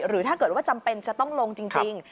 ถ้าเกิดว่าจำเป็นจะต้องลงจริง